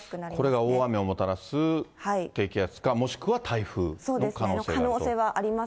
これが大雨をもたらす低気圧か、もしくは台風の可能性があると。